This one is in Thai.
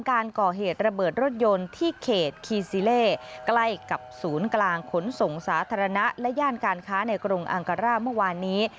การก่อเหตุระเบิดรถยนต์ที่เขตคีซีเล่ใกล้กับศูนย์กลางขนส่งสาธารณะและย่านการค้าในกรุงอังการ่าเมื่อวานนี้